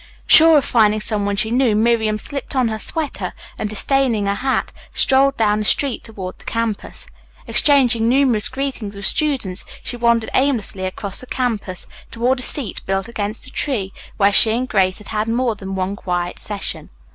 Sure of finding some one she knew, Miriam slipped on her sweater, and, disdaining a hat, strolled down the street toward the campus. Exchanging numerous greetings with students, she wandered aimlessly across the campus toward a seat built against a tree where she and Grace had had more than one quiet session.